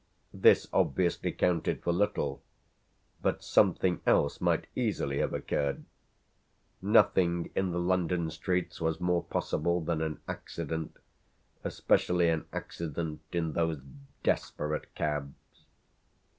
This obviously counted for little; but something else might easily have occurred; nothing in the London streets was more possible than an accident, especially an accident in those desperate cabs.